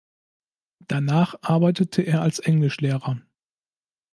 Danach arbeitete er als Englischlehrer.